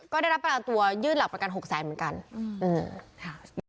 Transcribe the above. ก็ได้รับประกันตัวยื่นหลักประกันหกแสนเหมือนกัน